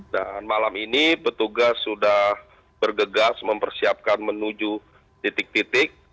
dan malam ini petugas sudah bergegas mempersiapkan menuju titik titik